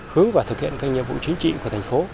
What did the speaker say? hướng và thực hiện các nhiệm vụ chính trị của thành phố